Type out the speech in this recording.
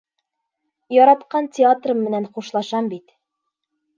Яратҡан театрым менән хушлашам бит!